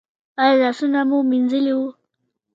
ایا لاسونه مو مینځلي وو؟